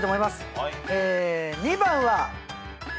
え２番は。